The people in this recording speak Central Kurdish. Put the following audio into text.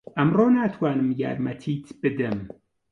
ئەمڕۆ ناتوانم یارمەتیت بدەم.